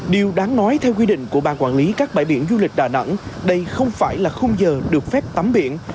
điều đáng nói theo quy định của ban quản lý các bãi biển du lịch đà nẵng đây không phải là khung giờ được phép tắm biển